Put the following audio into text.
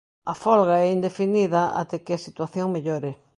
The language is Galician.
A folga é indefinida até que a situación mellore.